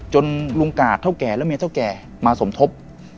ลุงกาดเท่าแก่และเมียเท่าแก่มาสมทบ